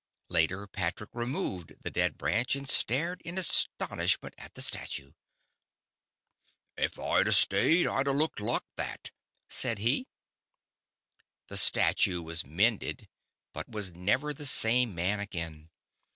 Later Patrick removed the dead branch and stared in astonishment at the Statue. "Av Oi 'd a shtayed, Oi 'd a looked loike thot," said he. The Statue was mended but was never the same man again.